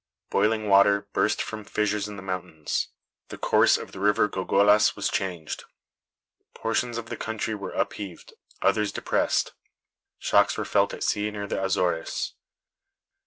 Boiling water burst from fissures in the mountains. The course of the river Gogollas was changed. Portions of the country were upheaved; others depressed. Shocks were felt at sea near the Azores.